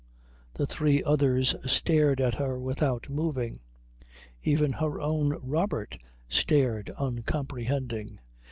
The three others stared at her without moving. Even her own Robert stared uncomprehending.